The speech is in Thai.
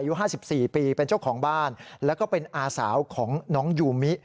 อายุ๕๔ปีเป็นเจ้าของบ้านแล้วก็เป็นอาสาวของน้องยูมิ